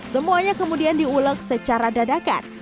semuanya kemudian diulek secara dadakan